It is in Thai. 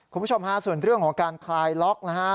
คุณผู้ชมฮะส่วนเรื่องของการคลายล็อกนะฮะ